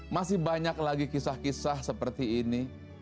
masih banyak lagi kisah kisah seperti ini